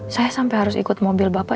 saya sampai harus ikut mobil bapak